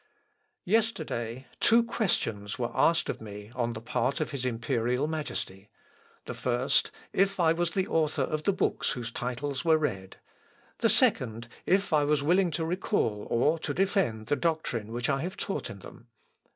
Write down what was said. "Yesterday two questions were asked me on the part of his imperial Majesty: the first, if I was the author of the books whose titles were read; the second, if I was willing to recal or to defend the doctrine which I have taught in them.